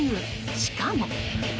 しかも。